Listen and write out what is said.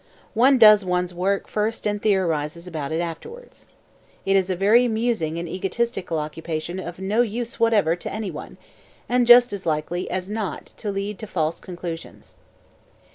One does ones work first and theorises about it afterwards. It is a very amusing and egotistical occupation of no use whatever to any one and just as likely as not to lead to false conclusions.